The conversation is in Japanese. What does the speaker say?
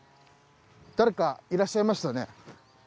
誰かいらっしゃいましたね。